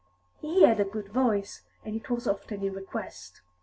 He had a good voice, and it was often in request.